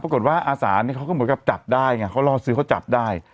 ปรากฏว่าอาสาห์เนี่ยเขาก็เหมือนกับจับได้ไงเขารอซื้อเขาจับได้